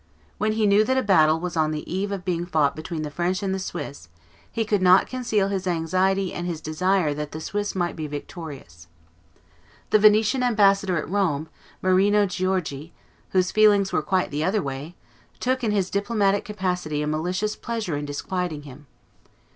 When he knew that a battle was on the eve of being fought between the French and the Swiss, he could not conceal his anxiety and his desire that the Swiss might be victorious. The Venetian ambassador at Rome, Marino Giorgi, whose feelings were quite the other way, took, in his diplomatic capacity, a malicious pleasure in disquieting him.